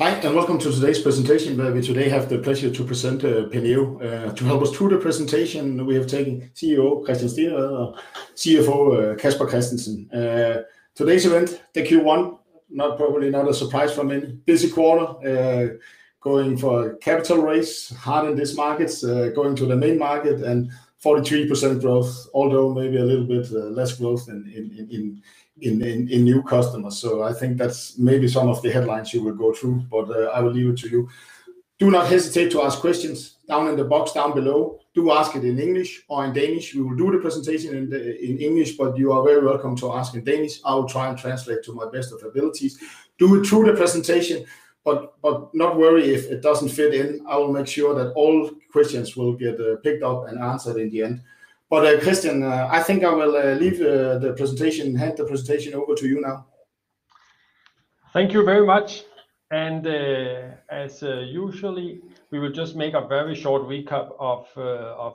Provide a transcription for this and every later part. Hi, and welcome to today's presentation where we today have the pleasure to present Penneo. To help us through the presentation, we have CEO Christian Stendevad and CFO Casper Christiansen. Today's event, the Q1, not probably a surprise for many. Busy quarter, going for a capital raise, hard in these markets, going to the main market and 43% growth, although maybe a little bit less growth in new customers. I think that's maybe some of the headlines you would go through, but I will leave it to you. Do not hesitate to ask questions down in the box down below. Do ask it in English or in Danish. We will do the presentation in English, but you are very welcome to ask in Danish. I will try and translate to my best of abilities. Do it through the presentation, but not worry if it doesn't fit in. I will make sure that all questions will get picked up and answered in the end. Christian, I think I will leave the presentation, hand the presentation over to you now. Thank you very much. As usual, we will just make a very short recap of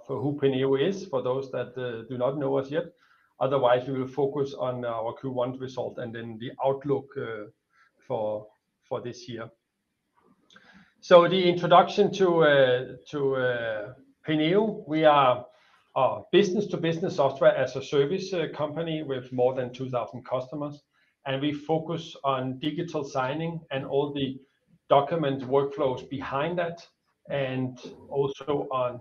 who Penneo is for those that do not know us yet. Otherwise, we will focus on our Q1 result and then the outlook for this year. The introduction to Penneo. We are a business to business software as a service company with more than 2,000 customers, and we focus on digital signing and all the document workflows behind that and also on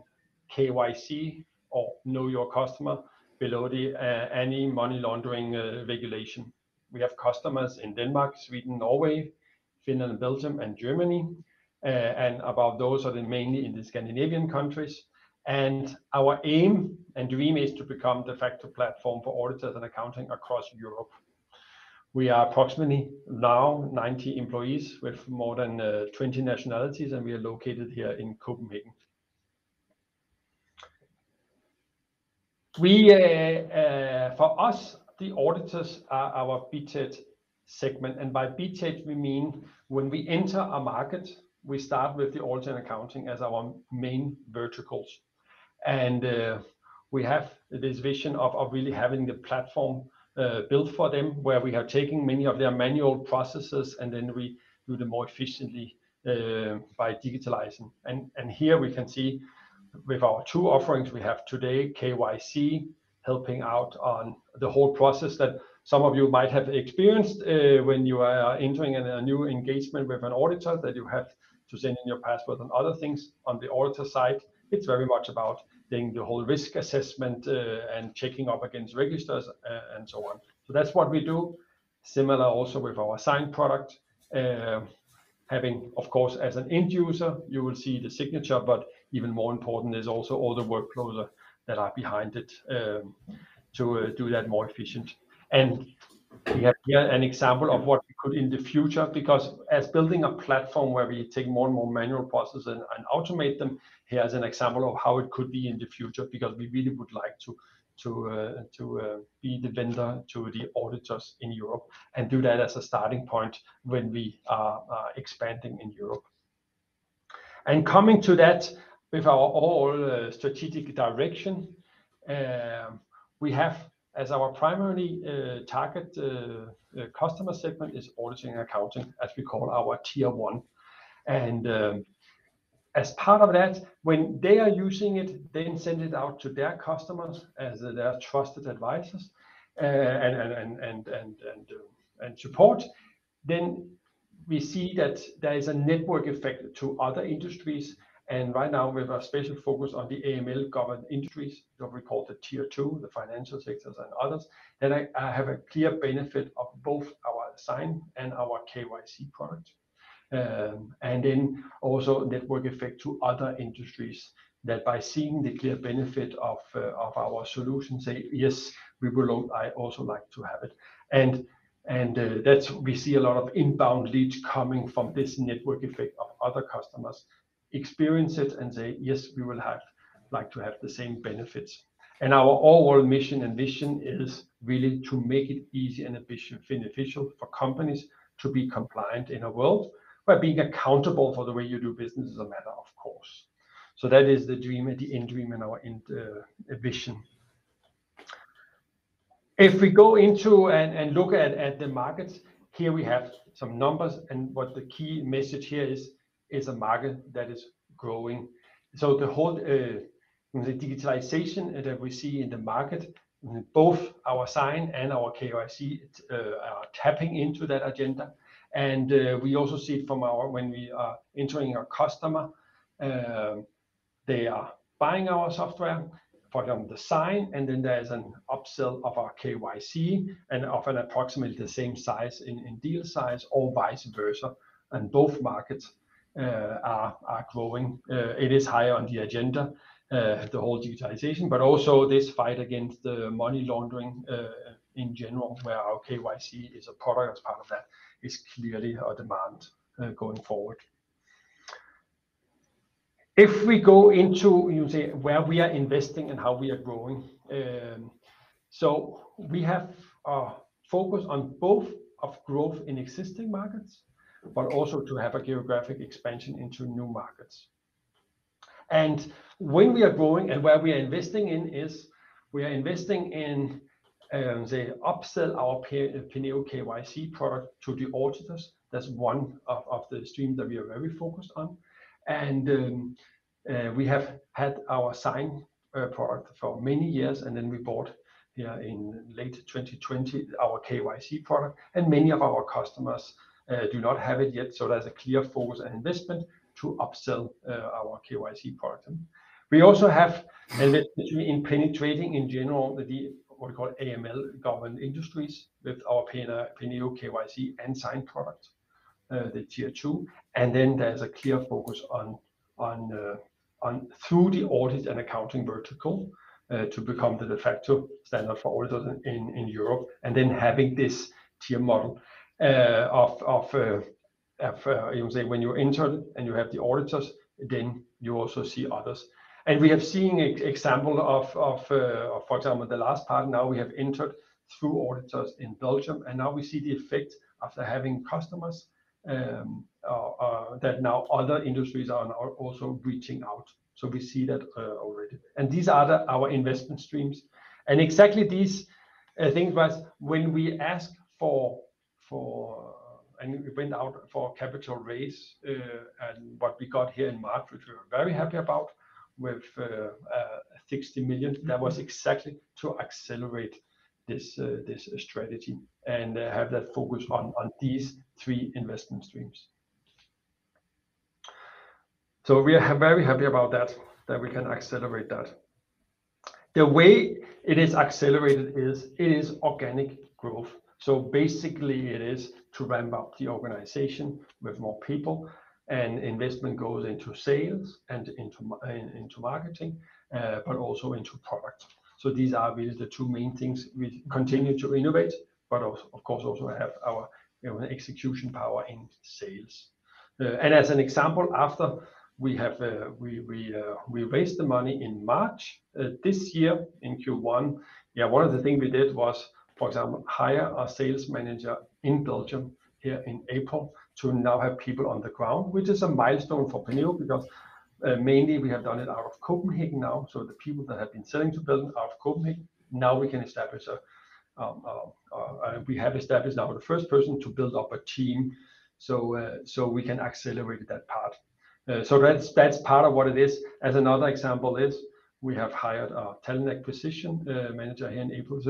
KYC or know your customer below the anti-money laundering regulation. We have customers in Denmark, Sweden, Norway, Finland, Belgium, and Germany, and of those are mainly in the Scandinavian countries. Our aim and dream is to become de facto platform for auditors and accountants across Europe. We are approximately now 90 employees with more than 20 nationalities, and we are located here in Copenhagen. For us, the auditors are our B2B segment, and by B2B we mean when we enter a market, we start with the audit and accounting as our main verticals. We have this vision of really having the platform built for them where we are taking many of their manual processes and then we do them more efficiently by digitalizing. Here we can see with our two offerings we have today, KYC helping out on the whole process that some of you might have experienced when you are entering a new engagement with an auditor that you have to send in your passport and other things. On the auditor side, it's very much about doing the whole risk assessment, and checking up against registers and so on. That's what we do. Similar also with our Sign product. Having, of course, as an end user you will see the signature, but even more important is also all the workflows that are behind it, to do that more efficient. We have here an example of what we could in the future because we're building a platform where we take more and more manual processes and automate them. Here's an example of how it could be in the future because we really would like to be the vendor to the auditors in Europe and do that as a starting point when we are expanding in Europe. Coming to that with our overall strategic direction, we have as our primary target customer segment audit and accounting, as we call our tier one. As part of that, when they are using it, they then send it out to their customers as their trusted advisors and support. We see that there is a network effect to other industries and right now we have a special focus on the AML governed industries that we call the tier two, the financial sectors and others, that I have a clear benefit of both our Sign and our KYC product. Network effect to other industries that by seeing the clear benefit of our solution say, "Yes, we would also like to have it." That's. We see a lot of inbound leads coming from this network effect of other customers experience it and say, "Yes, we would like to have the same benefits." Our overall mission and vision is really to make it easy and beneficial for companies to be compliant in a world where being accountable for the way you do business is a matter of course. That is the dream and the end dream and our end vision. If we go into and look at the markets, here we have some numbers and what the key message here is a market that is growing. The whole digitalization that we see in the market, both our Sign and our KYC, are tapping into that agenda. We also see it from our when we are entering a customer, they are buying our software for the Sign, and then there's an upsell of our KYC and often approximately the same size in deal size or vice versa, and both markets are growing. It is higher on the agenda, the whole digitalization, but also this fight against the money laundering in general, where our KYC is a product as part of that, is clearly a demand going forward. If we go into you say where we are investing and how we are growing. We have focused on both of growth in existing markets, but also to have a geographic expansion into new markets. When we are growing and where we are investing in is the upsell our Penneo KYC product to the auditors. That's one of the streams that we are very focused on. We have had our Sign product for many years, and then we bought in late 2020 our KYC product, and many of our customers do not have it yet. That's a clear focus and investment to upsell our KYC product. We also have investment in penetrating in general with the, what we call AML-governed industries with our Penneo KYC and Sign product, the tier two. There's a clear focus through the audit and accounting vertical to become the de facto standard for auditors in Europe. Having this tier model of, you can say, when you enter and you have the auditors, then you also see others. We have seen example of, for example, the last part now we have entered through auditors in Belgium, and now we see the effect after having customers that now other industries are now also reaching out. We see that already. These are our investment streams. Exactly these things was when we ask for and we went out for capital raise and what we got here in March, which we're very happy about, with 60 million. That was exactly to accelerate this strategy and have that focus on these three investment streams. We are very happy about that we can accelerate that. The way it is accelerated is organic growth. Basically it is to ramp up the organization with more people, and investment goes into sales and into marketing, but also into product. These are really the two main things. We continue to innovate, but of course, also have our, you know, execution power in sales. As an example, after we raised the money in March this year in Q1. Yeah, one of the things we did was, for example, hire a sales manager in Belgium here in April to now have people on the ground, which is a milestone for Penneo because mainly we have done it out of Copenhagen now. The people that have been selling to Belgium out of Copenhagen, we have established now the first person to build up a team so we can accelerate that part. That's part of what it is. As another example is we have hired a talent acquisition manager here in April.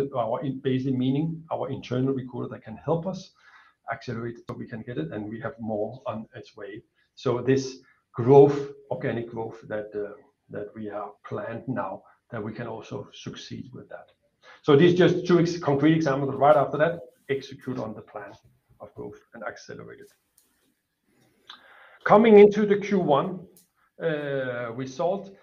In basically meaning our internal recruiter that can help us accelerate so we can get it, and we have more on its way. This growth, organic growth that we have planned now, that we can also succeed with that. These are just two concrete examples. Right after that, execute on the plan of growth and accelerate it. Coming into the Q1 result,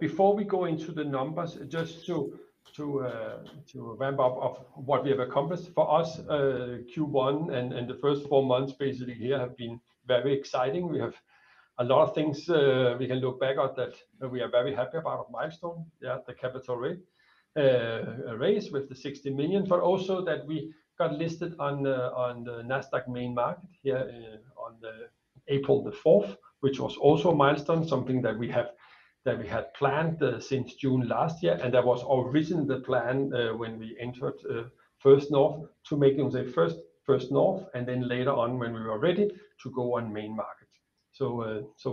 before we go into the numbers, just to recap what we have accomplished. For us, Q1 and the first four months basically here have been very exciting. We have a lot of things we can look back on that we are very happy about. A milestone, yeah, the capital raise with the 60 million DKK, but also that we got listed on the Nasdaq Copenhagen Main Market here, on April the fourth, which was also a milestone, something that we have, that we had planned since June last year. That was originally the plan when we entered First North to make it, say, First North, and then later on when we were ready to go on Main Market.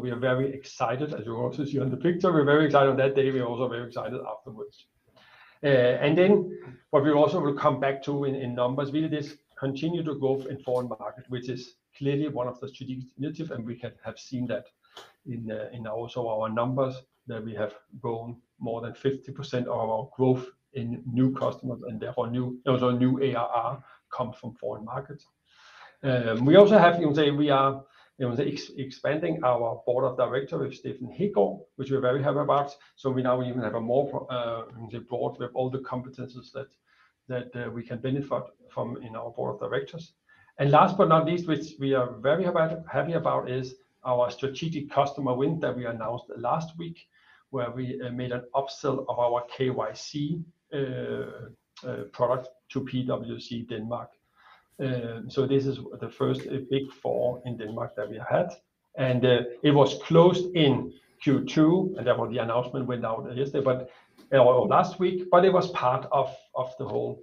We are very excited. As you also see on the picture, we're very excited on that day. We're also very excited afterwards. What we also will come back to in numbers, really this continued growth in foreign market, which is clearly one of the strategic initiatives, and we have seen that in also our numbers that we have grown more than 50% of our growth in new customers and therefore new ARR come from foreign markets. We also have, you can say, we are, you know, expanding our board of directors with Stefan Hickel, which we're very happy about. We now even have the board with all the competencies that we can benefit from in our board of directors. Last but not least, which we are very happy about, is our strategic customer win that we announced last week, where we made an upsell of our KYC product to PwC Denmark. This is the first Big Four in Denmark that we had. It was closed in Q2, and therefore the announcement went out yesterday or last week, but it was part of the whole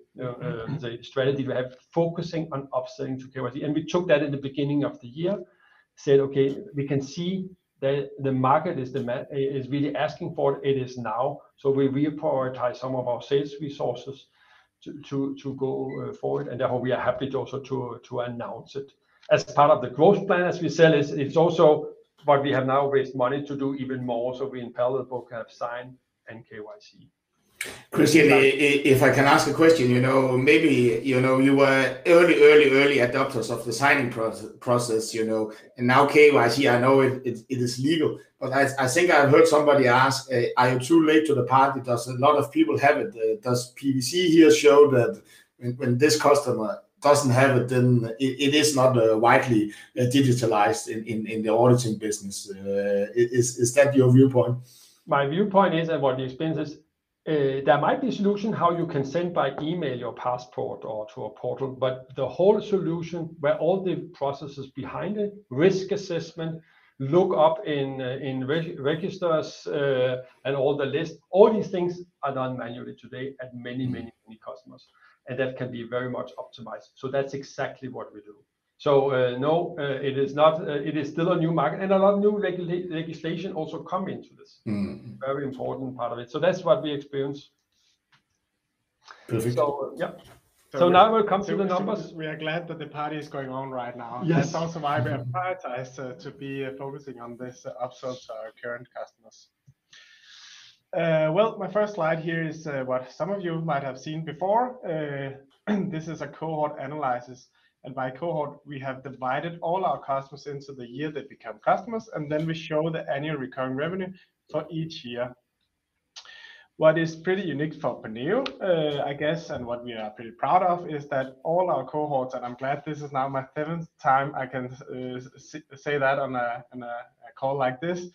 strategy we have focusing on upselling to KYC. We took that in the beginning of the year, said, "Okay, we can see that the market is really asking for it. It is now. We reprioritize some of our sales resources to go forward, and therefore we are happy to also announce it. As part of the growth plan, as we said, it's also what we have now raised money to do even more. We in parallel both have Sign and KYC. Christian, if I can ask a question. You know, maybe, you know, you were early adopters of the signing process, you know. Now KYC, I know it is legal. I think I've heard somebody ask, are you too late to the party? Does a lot of people have it? Does PwC here show that when this customer doesn't have it, then it is not widely digitalized in the auditing business? Is that your viewpoint? My viewpoint is about the expenses. There might be solution how you can send by email your passport or to a portal, but the whole solution where all the processes behind it, risk assessment, look up in registers, and all the lists, all these things are done manually today at many, many, many customers, and that can be very much optimized. That's exactly what we do. No, it is not, it is still a new market and a lot of new legislation also come into this. Mm. Very important part of it. That's what we experience. Perfect. Yep. Now we come to the numbers. We are glad that the party is going on right now. Yes. That's also why we have prioritized to be focusing on upsells to our current customers. Well, my first slide here is what some of you might have seen before. This is a cohort analysis, and by cohort, we have divided all our customers into the year they become customers, and then we show the annual recurring revenue for each year. What is pretty unique for Penneo, I guess, and what we are pretty proud of is that all our cohorts, and I'm glad this is now my seventh time, I can say that on a call like this.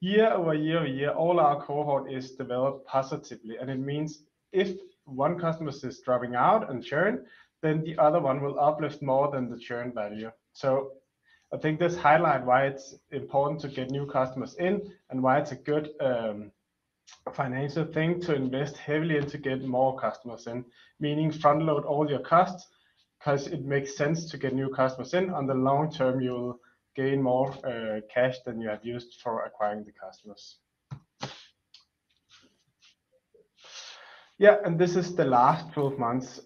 Year-over-year, all our cohort is developed positively, and it means if one customer is dropping out and churn, then the other one will uplift more than the churn value. I think this highlights why it's important to get new customers in and why it's a good financial thing to invest heavily and to get more customers in. Meaning front load all your costs 'cause it makes sense to get new customers in. In the long term, you'll gain more cash than you have used for acquiring the customers. Yeah. This is the last 12 months.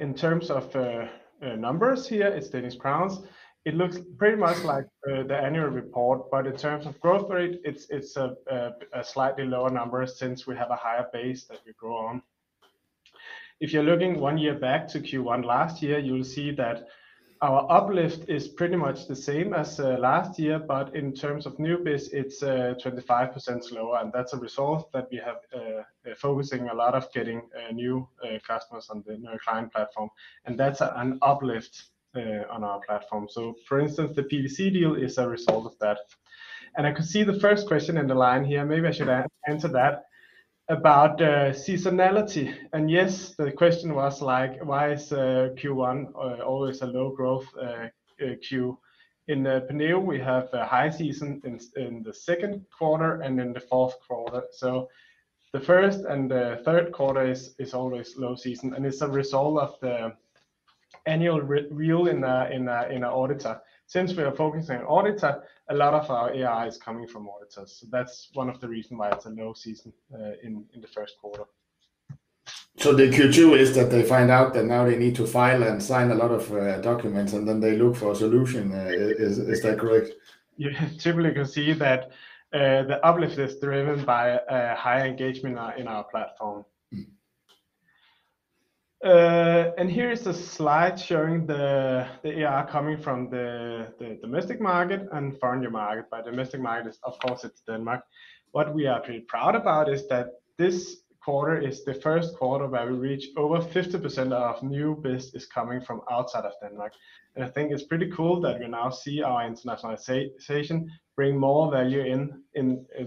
In terms of numbers here is DKK. It looks pretty much like the annual report, but in terms of growth rate, it's a slightly lower number since we have a higher base that we grow on. If you're looking one year back to Q1 last year, you'll see that our uplift is pretty much the same as last year, but in terms of new biz, it's 25% lower, and that's a result that we have focusing a lot on getting new customers on our client platform. That's an uplift on our platform. For instance, the PwC deal is a result of that. I could see the first question in the line here. Maybe I should answer that about seasonality. Yes, the question was like, why is Q1 always a low growth Q? In Penneo, we have a high season in the second quarter and in the fourth quarter. The first and the third quarter is always low season, and it's a result of the annual renewal in our auditors. Since we are focusing on auditors, a lot of our ARR is coming from auditors, so that's one of the reason why it's a low season in the first quarter. The Q2 is that they find out that now they need to file and sign a lot of documents, and then they look for a solution. Is that correct? You typically can see that the uplift is driven by a higher engagement in our platform. Mm. Here is a slide showing the ARR coming from the domestic market and foreign market, but domestic market is of course it's Denmark. What we are pretty proud about is that this quarter is the first quarter where we reach over 50% of new business coming from outside of Denmark. I think it's pretty cool that we now see our internationalization bring more value in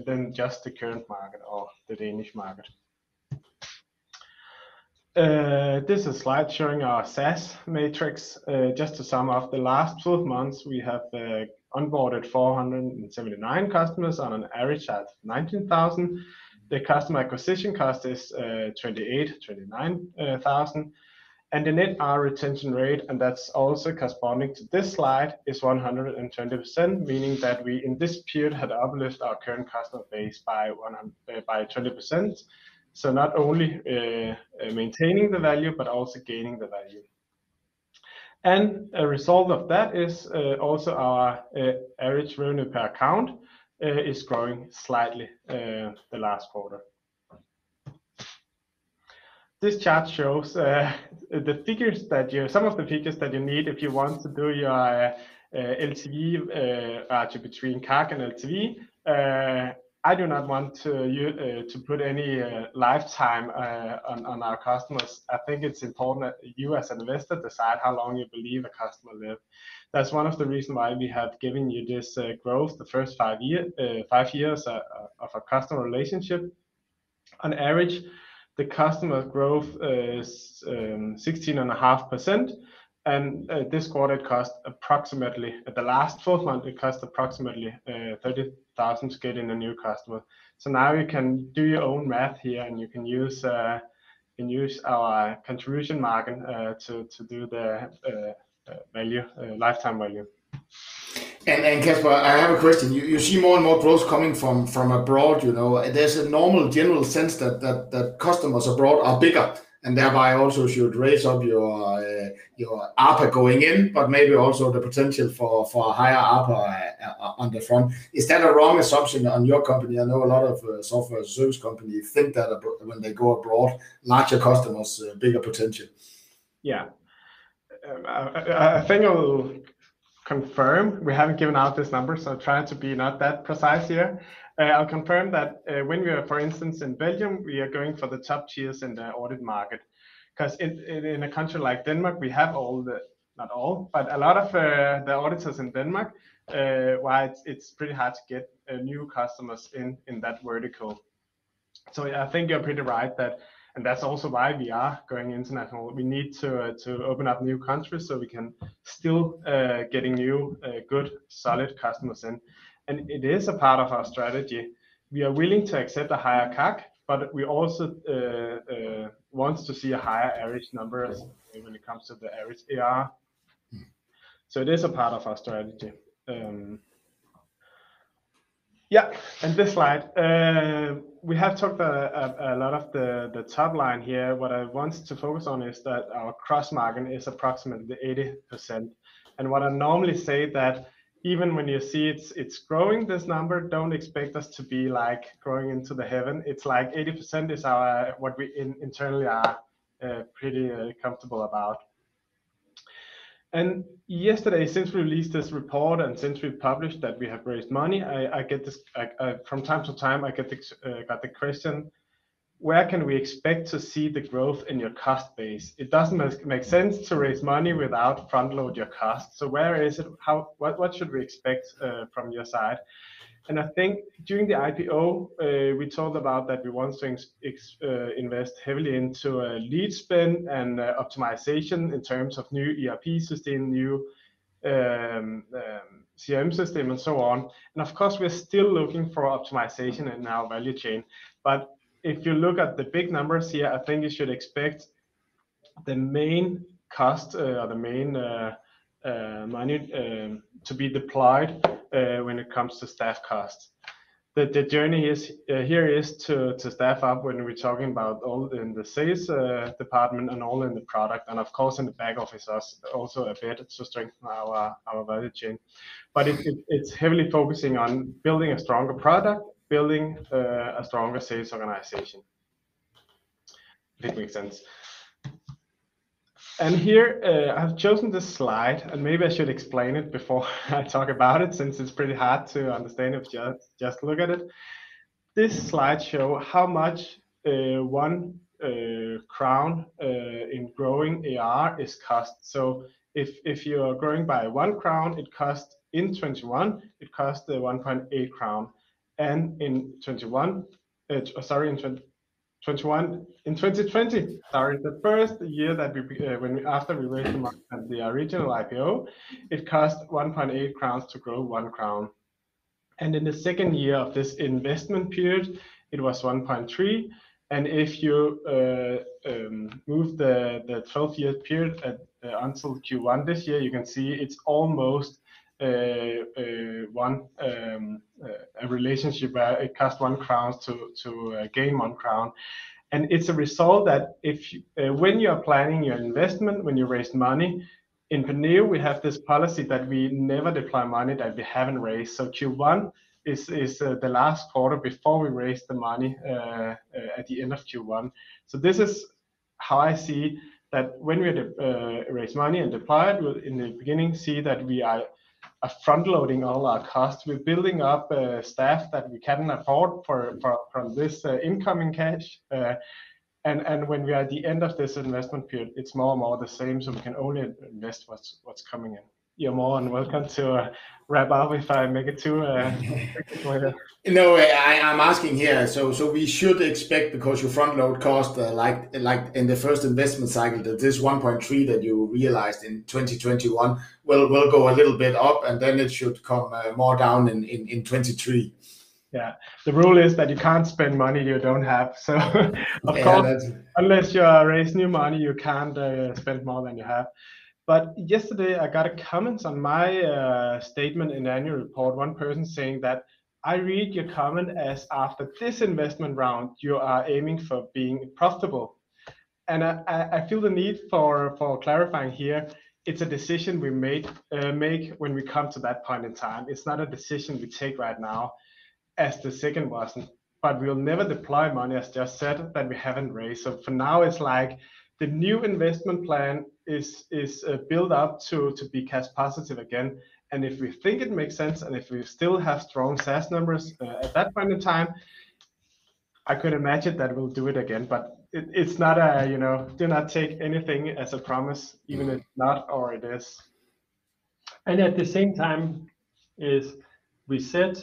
than just the current market or the Danish market. This is a slide showing our SaaS matrix. Just to sum up the last 12 months, we have onboarded 479 customers on an average at 19,000. The customer acquisition cost is 28-29 thousand. The net retention rate, and that's also corresponding to this slide, is 110%, meaning that we in this period had uplift our current customer base by 20%. Not only maintaining the value, but also gaining the value. A result of that is also our average revenue per account is growing slightly the last quarter. This chart shows some of the figures that you need if you want to do your LTV between CAC and LTV. I do not want to put any lifetime on our customers. I think it's important that you as investor decide how long you believe a customer live. That's one of the reasons why we have given you this growth the first five years of a customer relationship. On average, the customer growth is 16.5%, and in the last four months, it cost approximately 30,000 to get in a new customer. Now you can do your own math here, and you can use our contribution margin to do the lifetime value. Casper, I have a question. You see more and more growth coming from abroad, you know. There's a normal general sense that customers abroad are bigger, and thereby also should raise up your ARPA going in, but maybe also the potential for a higher ARPA on the front. Is that a wrong assumption on your company? I know a lot of SaaS company think that when they go abroad, larger customers, bigger potential. Yeah. I think I'll confirm we haven't given out this number, so trying to be not that precise here. I'll confirm that, when we are, for instance, in Belgium, we are going for the top tiers in the audit market. 'Cause in a country like Denmark, we have all the, not all, but a lot of the auditors in Denmark, while it's pretty hard to get new customers in that vertical. Yeah, I think you're pretty right that, and that's also why we are going international. We need to open up new countries so we can still getting new good solid customers in. It is a part of our strategy. We are willing to accept a higher CAC, but we also wants to see a higher average numbers when it comes to the average AR. It is a part of our strategy. This slide, we have talked a lot of the top line here. What I want to focus on is that our gross margin is approximately 80%. What I normally say that even when you see it's growing this number, don't expect us to be like growing into the heaven. It's like 80% is our, what we internally are pretty comfortable about. Yesterday, since we released this report and since we published that we have raised money, I get this, like, from time to time I get the question, "Where can we expect to see the growth in your cost base? It doesn't make sense to raise money without front load your cost. So where is it? What should we expect from your side?" I think during the IPO, we talked about that we want to invest heavily into lead spend and optimization in terms of new ERP system, new CRM system and so on. Of course, we're still looking for optimization in our value chain. If you look at the big numbers here, I think you should expect the main cost, or the main money, to be deployed, when it comes to staff costs. The journey here is to staff up when we're talking about all in the sales department and all in the product, and of course in the back office and also a bit to strengthen our value chain. It’s heavily focusing on building a stronger product, building a stronger sales organization. If it makes sense. Here, I’ve chosen this slide, and maybe I should explain it before I talk about it, since it’s pretty hard to understand if you just look at it. This slide shows how much 1 crown in growing ARR costs. If you are growing by 1 crown, it costs 1.8 crown in 2021. In 2020, the first year after we raised money at the original IPO, it cost 1.8 crowns to grow 1 crown. In the second year of this investment period, it was 1.3. If you move to the 12-year period until Q1 this year, you can see it's almost a relationship where it costs 1 crown to gain 1 crown. It's a result that when you are planning your investment, when you raise money, in Penneo we have this policy that we never deploy money that we haven't raised. Q1 is the last quarter before we raise the money at the end of Q1. This is how I see that when we raise money and deploy it, we'll in the beginning see that we are front-loading all our costs. We're building up staff that we can afford for from this incoming cash. When we are at the end of this investment period, it's more and more the same, so we can only invest what's coming in. You're more than welcome to wrap up if I make it too far. No, I'm asking here. We should expect, because you front-load cost, like, in the first investment cycle, that this 1.3 that you realized in 2021 will go a little bit up, and then it should come more down in 2023? Yeah. The rule is that you can't spend money you don't have. Of course. Yeah, that's. Unless you are raising new money, you can't spend more than you have. Yesterday I got a comment on my statement in annual report. One person saying that, "I read your comment as after this investment round, you are aiming for being profitable." I feel the need for clarifying here, it's a decision we make when we come to that point in time. It's not a decision we take right now as the second wasn't. We'll never deploy money, as just said, that we haven't raised. For now it's like the new investment plan is built up to be cash positive again. If we think it makes sense, and if we still have strong sales numbers at that point in time, I could imagine that we'll do it again. It's not a, you know, do not take anything as a promise, even if not or it is. At the same time, as we said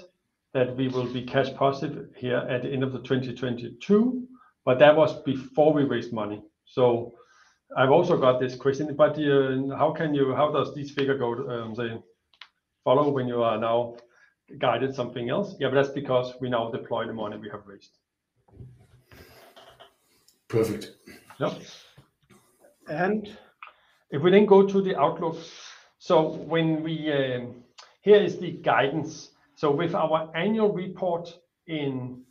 that we will be cash positive here at the end of 2022, but that was before we raised money. I've also got this question about how does this figure go, the follow-up when you are now guiding something else. Yeah, that's because we now deploy the money we have raised. Perfect. Yeah. If we then go to the outlook. When we here is the guidance. With our annual report in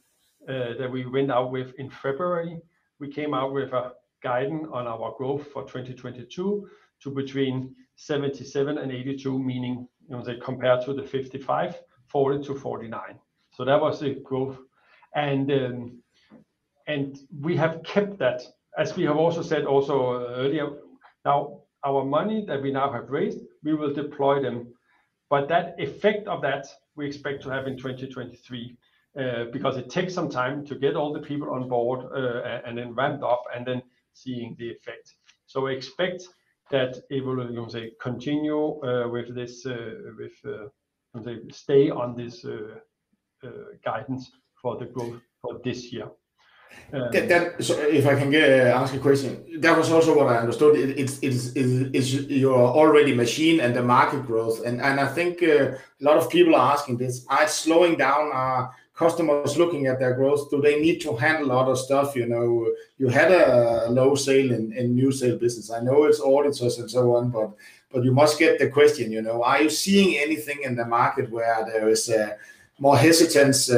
that we went out with in February, we came out with a guidance on our growth for 2022 to between 77% and 82%, meaning, you know, compared to the 55%, 40%-49%. That was the growth. And we have kept that. As we have also said also earlier, now our money that we now have raised, we will deploy them. But that effect of that we expect to have in 2023 because it takes some time to get all the people on board and then ramped up and then seeing the effect. Expect that it will, you know, continue with the same guidance for the growth for this year. If I can ask a question. That was also what I understood, it's your ARR machine and the market growth. I think a lot of people are asking this, are slowing down, are customers looking at their growth? Do they need to handle a lot of stuff? You know, you had a low sale in new sale business. I know it's auditors and so on, but you must get the question, you know, are you seeing anything in the market where there is more hesitance,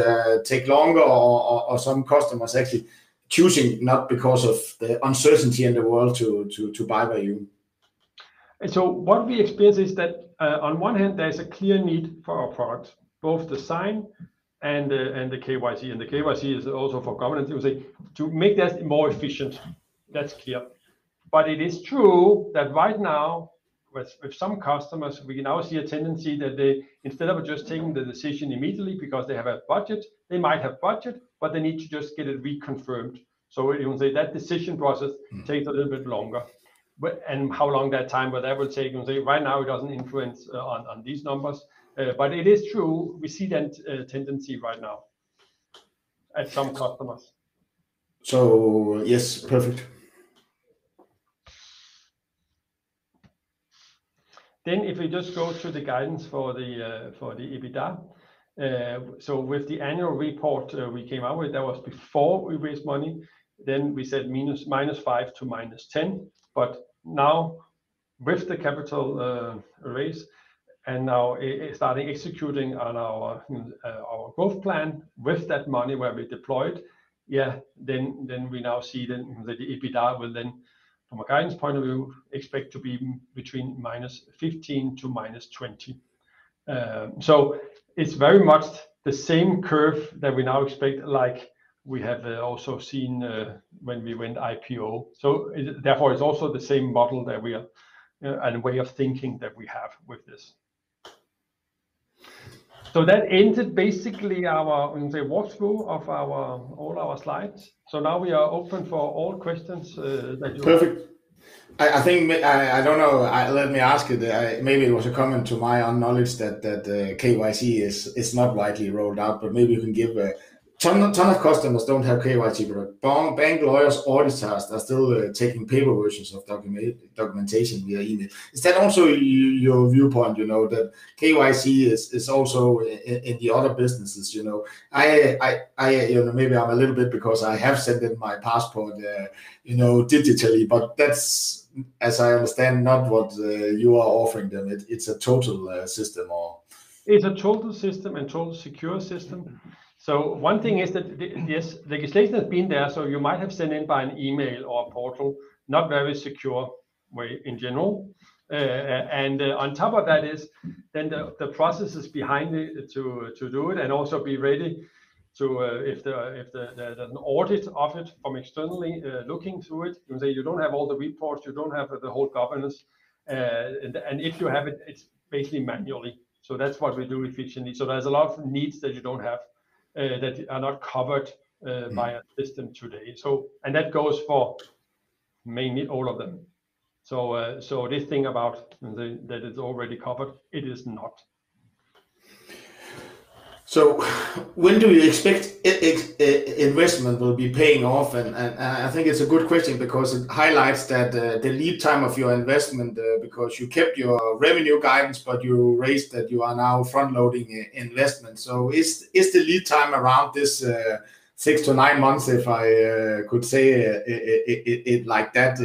takes longer or some customers actually choosing not because of the uncertainty in the world to buy from you? What we experience is that on one hand there's a clear need for our product, both the Sign and the KYC, and the KYC is also for governance to make that more efficient, that's clear. It is true that right now with some customers we can now see a tendency that they, instead of just taking the decision immediately because they have a budget, they might have budget, but they need to just get it reconfirmed. You know, say that decision process. Mm takes a little bit longer. How long that time, whatever it takes, right now it doesn't influence on these numbers. It is true, we see that tendency right now at some customers. Yes, perfect. If we just go through the guidance for the EBITDA. With the annual report, we came out with that was before we raised money, then we said -5--10. Now with the capital raise and now starting executing on our growth plan with that money where we deployed. We now see the EBITDA will, from a guidance point of view, expect to be between -15--20. It's very much the same curve that we now expect like we have also seen when we went IPO. It, therefore, it's also the same model that we are and way of thinking that we have with this. That ended basically our you can say walkthrough of all our slides. Now we are open for all questions that you have. Perfect. I think I don't know. Let me ask you that. Maybe it was a comment to my own knowledge that KYC is not widely rolled out, but maybe you can give a ton of customers don't have KYC product. Bank lawyers, auditors are still taking paper versions of documentation via email. Is that also your viewpoint, you know, that KYC is also in the other businesses, you know? You know, maybe I'm a little bit because I have sent them my passport, you know, digitally, but that's, as I understand, not what you are offering them. It's a total system or? It's a total system and total secure system. One thing is that, yes, legislation has been there, so you might have sent in by an email or a portal, not very secure way in general. On top of that is then the processes behind it to do it and also be ready to if an audit of it from externally. Looking through it, you say you don't have all the reports, you don't have the whole governance. If you have it's basically manually. That's what we do efficiently. There's a lot of needs that you don't have that are not covered by a system today. That goes for mainly all of them. This thing about that it's already covered, it is not. When do you expect investment will be paying off? I think it's a good question because it highlights that the lead time of your investment because you kept your revenue guidance, but you raised that you are now front-loading investment. Is the lead time around 6-9 months, if I could say it like that?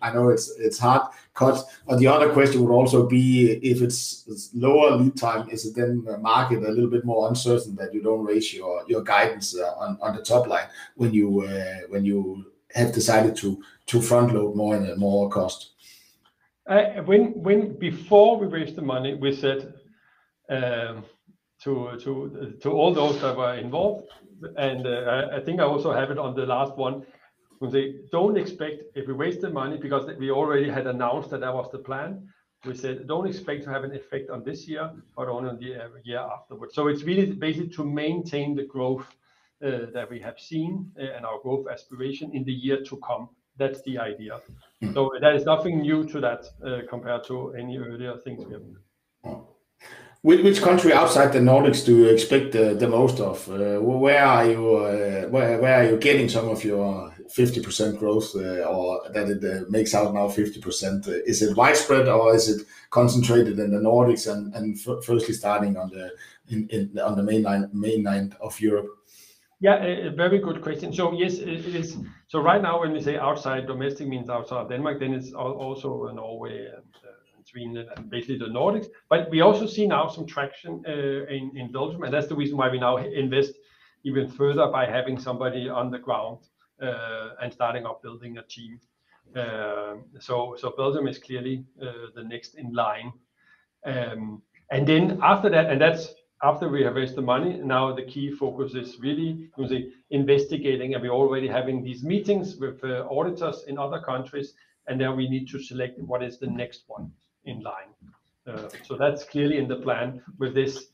I know it's hard cut. The other question would also be if it's lower lead time, is it then the market a little bit more uncertain that you don't raise your guidance on the top line when you have decided to front-load more and more cost? When before we raised the money, we said to all those that were involved, and I think I also have it on the last one, when they don't expect it if we waste the money because we already had announced that that was the plan. We said, "Don't expect to have an effect on this year but only the year afterwards." It's really basically to maintain the growth that we have seen and our growth aspiration in the year to come. That's the idea. Mm. There is nothing new to that, compared to any earlier things we have done. Wow. Which country outside the Nordics do you expect the most of? Where are you getting some of your 50% growth, or that it makes out now 50%? Is it widespread or is it concentrated in the Nordics and firstly starting in the mainland of Europe? Yeah, a very good question. Yes, it is. Right now when we say outside domestic means outside Denmark, then it's also in Norway and between basically the Nordics. We also see now some traction in Belgium, and that's the reason why we now invest even further by having somebody on the ground and starting up building a team. Belgium is clearly the next in line. Then after that's after we have raised the money, now the key focus is really to the investigating and we're already having these meetings with auditors in other countries, and then we need to select what is the next one in line. That's clearly in the plan with this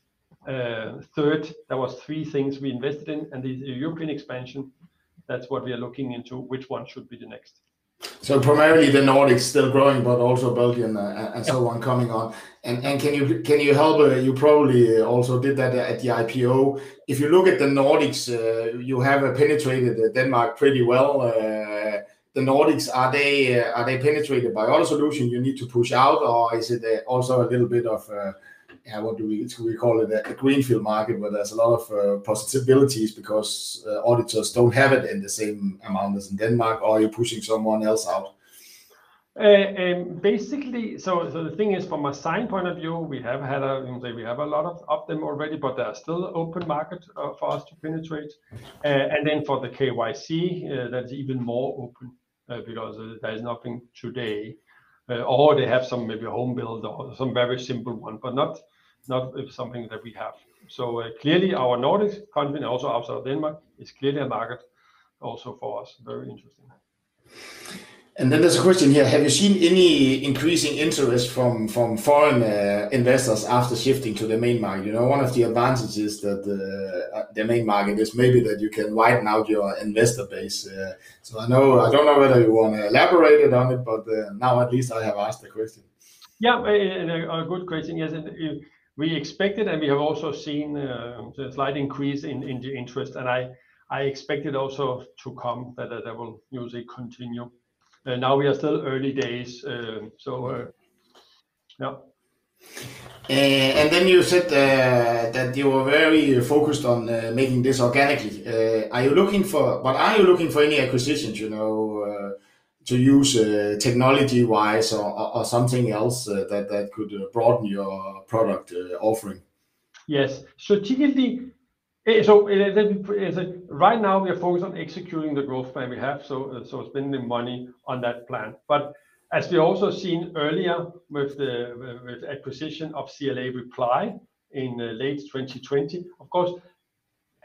third. There was three things we invested in, and the European expansion. That's what we are looking into, which one should be the next. Primarily the Nordics still growing, but also Belgium and so on coming on. Can you help? You probably also did that at the IPO. If you look at the Nordics, you have penetrated Denmark pretty well. The Nordics, are they penetrated by other solution you need to push out? Or is it also a little bit of what we call a greenfield market where there's a lot of possibilities because auditors don't have it in the same amount as in Denmark, or you're pushing someone else out? The thing is, from a sign point of view, we have had a, you can say, we have a lot of them already, but there are still open markets for us to penetrate. For the KYC, that's even more open because there's nothing today. They have some, maybe home-built or some very simple one, but not something that we have. Clearly our Nordics company and also outside of Denmark is clearly a market also for us, very interesting. There's a question here, have you seen any increasing interest from foreign investors after shifting to the main market? You know, one of the advantages that the main market is maybe that you can widen out your investor base. I know, I don't know whether you wanna elaborate on it, but now at least I have asked the question. Yeah, a good question. Yes, we expected, and we have also seen the slight increase in the interest. I expect it also to come that that will usually continue. Now we are still early days, so yeah. You said that you were very focused on making this organically. But are you looking for any acquisitions, you know, to use technology-wise or something else that could broaden your product offering? Yes. Strategically, we are focused on executing the growth plan we have, so spending money on that plan. As we also seen earlier with the acquisition of CLA Reply in late 2020, of course,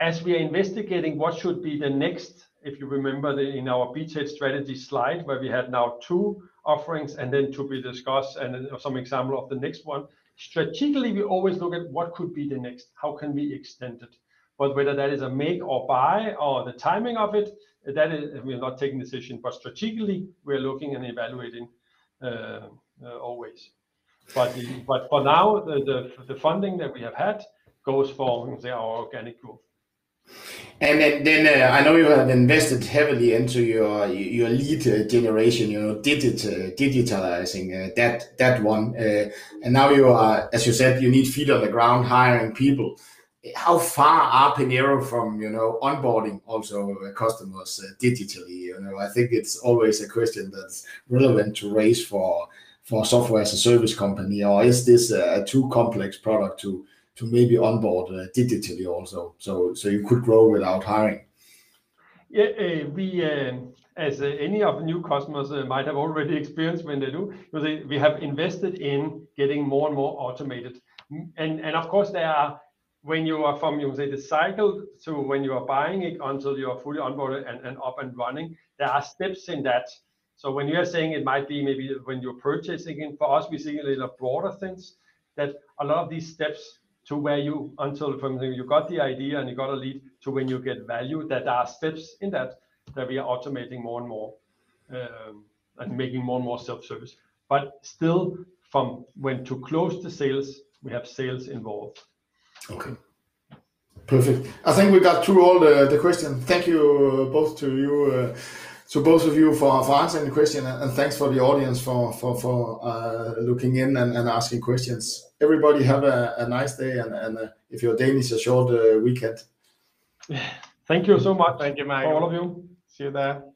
as we are investigating what should be the next. If you remember in our beachhead strategy slide where we had now two offerings and then to be discussed and then some example of the next one, strategically, we always look at what could be the next, how can we extend it. Whether that is a make or buy or the timing of it, that is, we are not taking decision, but strategically we are looking and evaluating always. For now, the funding that we have had goes for the organic growth. I know you have invested heavily into your lead generation, you know, digitalizing that one. Now you are, as you said, you need feet on the ground hiring people. How far are Penneo from, you know, onboarding also customers digitally? You know, I think it's always a question that's relevant to raise for software as a service company, or is this a too complex product to maybe onboard digitally also so you could grow without hiring? Yeah. We, as any new customers might have already experienced when they do, we have invested in getting more and more automated. Of course there are steps in that when you go from, you can say, the cycle to when you are buying it until you are fully onboarded and up and running. When you are saying it might be maybe when you're purchasing, for us, we see it as a broader sense that a lot of these steps from when you got the idea and you got a lead to when you get value, that there are steps in that we are automating more and more and making more and more self-service. Still from when we close the sales, we have sales involved. Okay. Perfect. I think we got through all the question. Thank you both to you, so both of you for answering the question and thanks for the audience for looking in and asking questions. Everybody have a nice day and if you're Danish, a short weekend. Thank you Mike all of you. See you there.